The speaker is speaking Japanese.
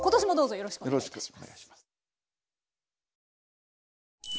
よろしくお願いします。